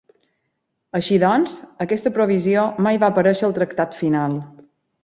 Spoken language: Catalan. Així doncs, aquesta provisió mai va aparèixer al tractat final.